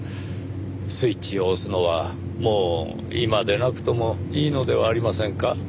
スイッチを押すのはもう今でなくともいいのではありませんか？